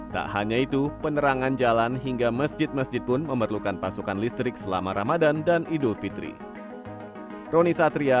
tak hanya itu penerangan jalan hingga masjid masjid pun memerlukan pasokan listrik selama ramadan dan idul fitri